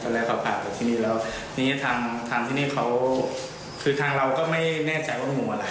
จังหลายขวาภาพอยู่ที่นี่แล้วนี่ทางที่นี่เขาคือทางเราก็ไม่แน่ใจว่างูอะไร